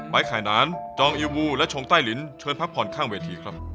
ไข่นานจองอิววูและชงใต้ลิ้นเชิญพักผ่อนข้างเวทีครับ